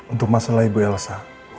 untuk masalah ibu elsa